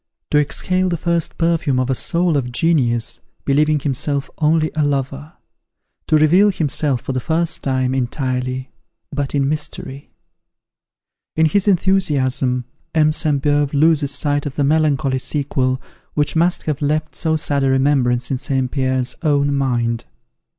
To exhale the first perfume of a soul of genius, believing himself only a lover! To reveal himself, for the first time, entirely, but in mystery!" In his enthusiasm, M. Sainte Beuve loses sight of the melancholy sequel, which must have left so sad a remembrance in St. Pierre's own mind.